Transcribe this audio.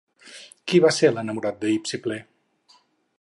Qui va ser l'enamorat d'Hipsíple?